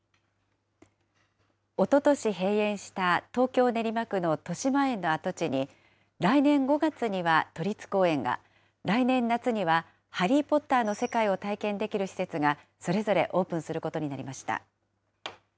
おととし閉園した東京・練馬区のとしまえんの跡地に、来年５月には都立公園が、来年夏には、ハリー・ポッターの世界を体験できる施設が、それぞれオープンすることになりました。